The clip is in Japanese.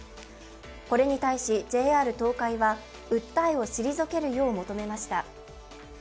これに対しＪＲ東海は訴えを退けるよう求めました。